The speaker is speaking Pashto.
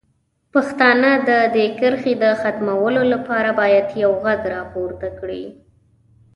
پښتانه د دې کرښې د ختمولو لپاره باید یو غږ راپورته کړي.